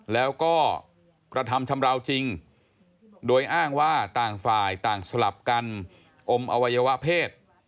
แล้วก็กระทำชำราวจริงโดยอ้างว่าต่างฝ่ายต่างสลับกันอมอวัยวะเพศ